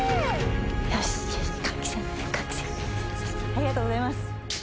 ありがとうございます。